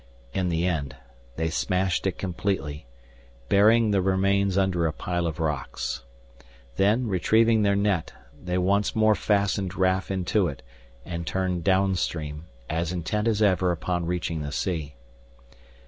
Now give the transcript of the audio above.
In the end they smashed it completely, burying the remains under a pile of rocks. Then, retrieving their net, they once more fastened Raf into it and turned downstream, as intent as ever upon reaching the sea.